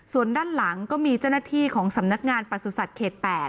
ส่วนด้านหลังก็มีเจ้าหน้าที่ของสำนักงานประสุทธิ์เขต๘